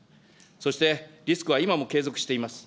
そして、リスクは今も継続しています。